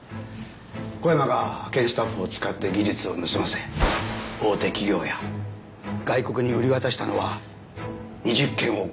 小山が派遣スタッフを使って技術を盗ませ大手企業や外国に売り渡したのは２０件を超えるとみられます。